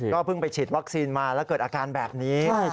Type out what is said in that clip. เพิ่งไปฉีดวัคซีนมาแล้วเกิดอาการแบบนี้